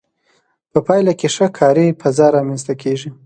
په پایله کې ښه کاري فضا رامنځته کیږي.